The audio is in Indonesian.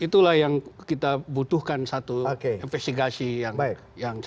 itulah yang kita butuhkan satu investigasi yang cukup